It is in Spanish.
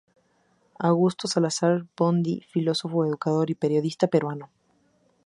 Augusto Salazar Bondy, filósofo, educador y periodista peruano.